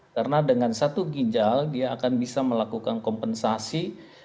karena dengan satu ginjal dia akan bisa melakukan kompensasi